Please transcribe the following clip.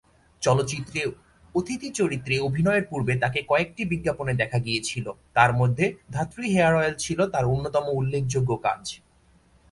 চলচ্চিত্রে অতিথি চরিত্রে অভিনয়ের পূর্বে তাকে কয়েকটি বিজ্ঞাপনে দেখা গিয়েছিল, যার মধ্যে ধাত্রী হেয়ার অয়েল ছিল তার অন্যতম উল্লেখযোগ্য কাজ।